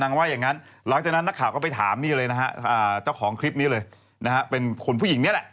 ว่าอย่างนั้นหลังจากนั้นนักข่าวก็ไปถามนี่เลยนะฮะเจ้าของคลิปนี้เลยนะฮะเป็นคนผู้หญิงนี้แหละ